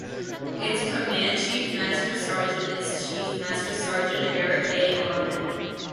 Its Command Chief Master Sergeant is Chief Master Sergeant Eric A. Harmon.